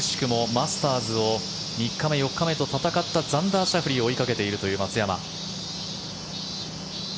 マスターズを３日目、４日目と戦ったザンダー・シャフリーを追いかけているという松山。